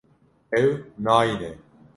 Ew nayîne.